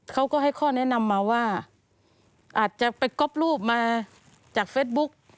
เขาก็ให้ข้อแนะนำมาว่าอาจจะไปก๊อปรูปมาจากเฟซบุ๊ก